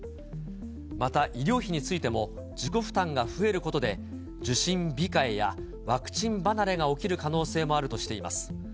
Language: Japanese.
また医療費についても、自己負担が増えることで受診控えやワクチン離れが起きる可能性もあるとしています。